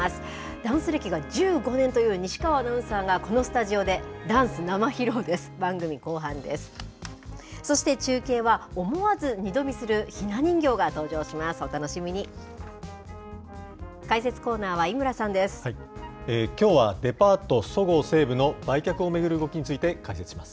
ダンス歴が１５年という西川アナウンサーがこのスタジオで、ダンス生披露です。